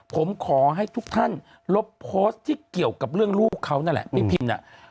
ผมขอให้ทุกท่านลบโพสต์ที่เกี่ยวกับเรื่องลูกเขานั่นแหละพี่พิมน่ะ